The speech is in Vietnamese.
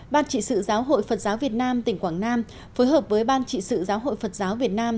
ban trị sự giáo hội phật giáo việt nam tỉnh quảng nam phối hợp với ban trị sự giáo hội phật giáo việt nam